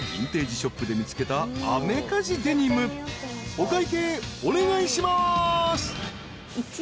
［お会計お願いします］